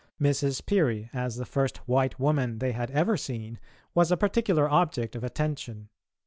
Mrs. Peary, as the first white woman they had ever seen, was a particular object of attention.